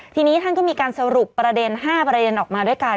ทีนี้ท่านก็มีการสรุปประเด็น๕ประเด็นออกมาด้วยกัน